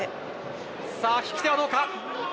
引き手はどうか。